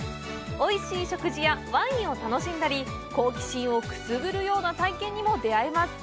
おいしい食事やワインを楽しんだり、好奇心をくすぐるような体験にも出会えます。